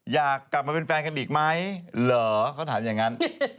อยากกลับมาเป็นแฟนกันอีกไหมเหรอเขาถามอย่างนั้น